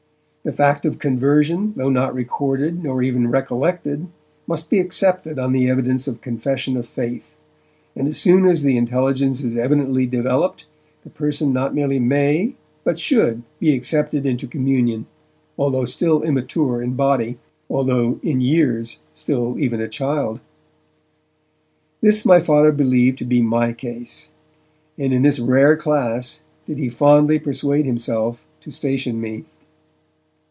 The fact of conversion, though not recorded nor even recollected, must be accepted on the evidence of confession of faith, and as soon as the intelligence is evidently developed, the person not merely may, but should be accepted into communion, although still immature in body, although in years still even a child. This my Father believed to be my case, and in this rare class did he fondly persuade himself to station me.